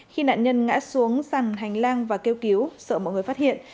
khi nạn nhân ngã xuống sàn hành lang và kêu cứu sợ mọi người phát hiện